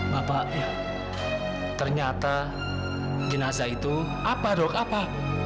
bapak ternyata jenazah itu apa dok apa